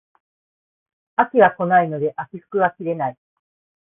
秋が来ないので秋服が着れない